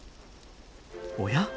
おや？